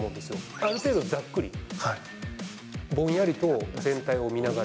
ある程度、ざっくり、ぼんやりと全体を見ながら。